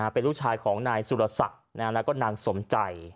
เป็นลูกชายของนายสุรศักดิ์แล้วก็นางสมใจ